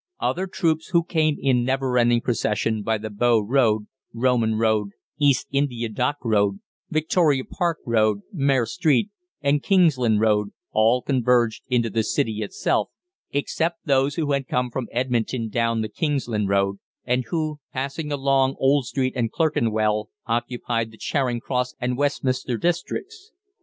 Other troops who came in never ending procession by the Bow Road, Roman Road, East India Dock Road, Victoria Park Road, Mare Street, and Kingsland Road all converged into the City itself, except those who had come from Edmonton down the Kingsland Road, and who, passing along Old Street and Clerkenwell, occupied the Charing Cross and Westminster districts.